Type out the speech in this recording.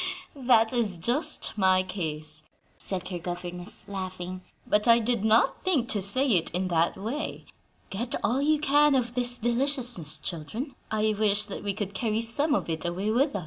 "That is just my case," said her governess, laughing, "but I did not think to say it in that way. Get all you can of this deliciousness, children; I wish that we could carry some of it away with us."